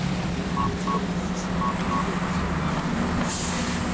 圧力スチームＩＨという炊き方なんです。